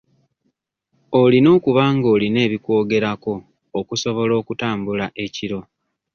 Olina okuba nga olina ebikwogerako okusobola okutambula ekiro.